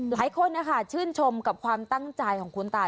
หลายคนนะคะชื่นชมกับความตั้งใจของคุณตา